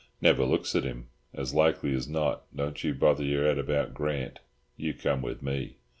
Never looks at him, as likely as not. Don't you bother your head about Grant—you come with me."